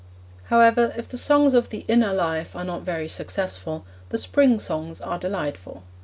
However, if the Songs of the Inner Life are not very successful, the Spring Songs are delightful.